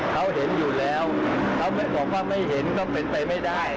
เขาเห็นอยู่แล้วเขาบอกว่าไม่เห็นก็เป็นไปไม่ได้